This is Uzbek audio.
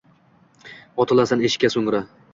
Otilasan eshikka soʼngra